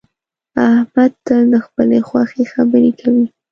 احمد تل د خپلې خوښې خبرې کوي